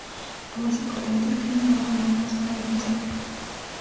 Lo más importante, es que llevaban armas para defensa propia.